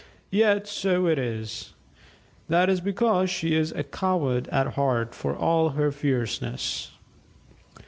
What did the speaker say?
Yet so it is. That is because she is a coward at heart, for all her fierceness."